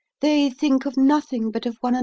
They think of nothing but of one another."